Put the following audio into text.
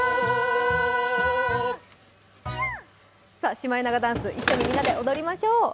シマエナガダンス、一緒にみんなで踊りましょう。